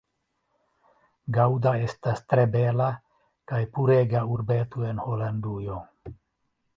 Gaŭda estas tre bela kaj purega urbeto en Holandujo.